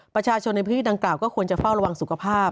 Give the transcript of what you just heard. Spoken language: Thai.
ประชาชนในพื้นที่ดังกล่าวก็ควรจะเฝ้าระวังสุขภาพ